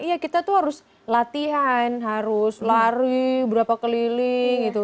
iya kita tuh harus latihan harus lari berapa keliling gitu